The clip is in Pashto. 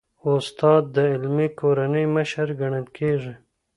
استاد د علمي کورنۍ مشر ګڼل کېږي.